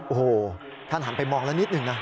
โอะโฮ่ท่านหันไปมองละนิดนึงนะ